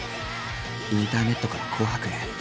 インターネットから「紅白」へ。